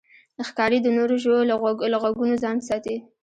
ښکاري د نورو ژویو له غږونو ځان ساتي.